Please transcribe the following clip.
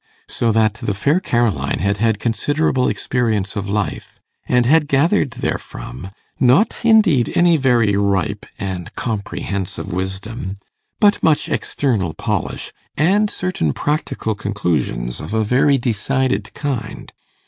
So that the fair Caroline had had considerable experience of life, and had gathered therefrom, not, indeed, any very ripe and comprehensive wisdom, but much external polish, and certain practical conclusions of a very decided kind.